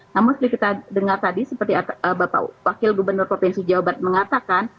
namun seperti kita dengar tadi seperti bapak wakil gubernur provinsi jawa barat mengatakan